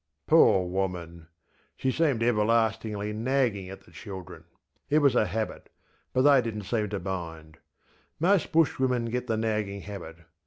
ŌĆÖ Poor woman! she seemed everlastingly nagging at the children. It was a habit, but they didnŌĆÖt seem to mind. Most Bushwomen get the nagging habit.